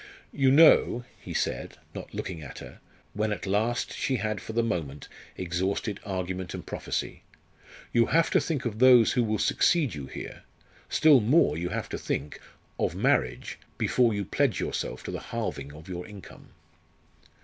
"You know," he said, not looking at her, when at last she had for the moment exhausted argument and prophecy, "you have to think of those who will succeed you here; still more you have to think of marriage before you pledge yourself to the halving of your income."